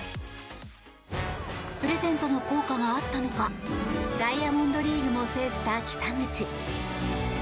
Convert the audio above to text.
プレゼントの効果があったのかダイヤモンドリーグも制覇した北口。